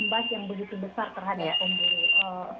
bas yang begitu besar terhadap kaum buruh